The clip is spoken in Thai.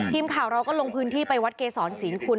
ทีมข่าวเราก็ลงพื้นที่ไปวัดเกษรศรีคุณ